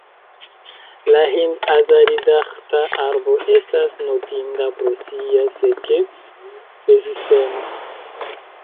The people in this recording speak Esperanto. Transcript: La hind-azadiraĥta arbo estas notinda pro sia sekec-rezistemo.